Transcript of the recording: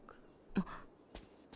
あっ。